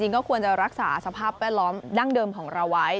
ก็ควรจะรักษาสภาพแวดล้อมดั้งเดิมของเราไว้